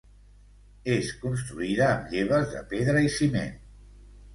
És construïda amb lleves de pedra i ciment.